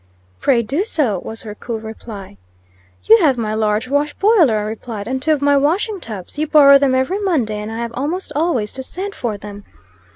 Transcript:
"Pray do so," was her cool reply. "You have my large wash boiler," I replied, "and two of my washing tubs. You borrow them every Monday, and I have almost always to send for them."